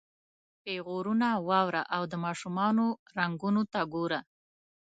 پیغورونه واوره او د ماشومانو رنګونو ته ګوره.